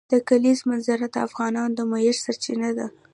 د کلیزو منظره د افغانانو د معیشت سرچینه ده.